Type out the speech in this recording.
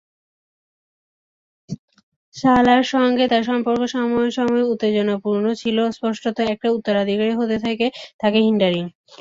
সালার সঙ্গে তার সম্পর্ক সময়ে সময়ে উত্তেজনাপূর্ণ ছিল, স্পষ্টত একটি উত্তরাধিকারী হতে থেকে তাকে হিন্ডারিং।